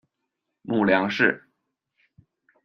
母梁氏。